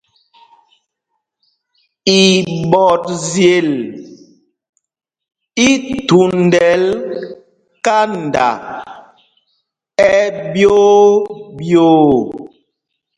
Iɓɔtzyel i thúndɛl kanda ɛɓyoo ɓyoo.